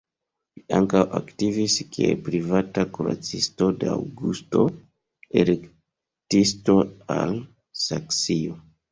Li ankaŭ aktivis kiel privata kuracisto de Aŭgusto, elektisto el Saksio.